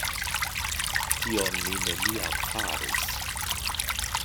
Tion mi neniam faris.